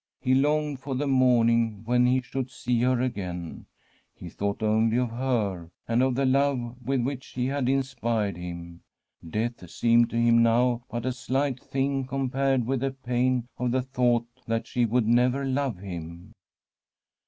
He longed for the morning, when he should see her again ; he thought only of her, and of the love with which she had inspired him. Death seemed to him now but a slight thing compared with the pain of the thought that she would never love him.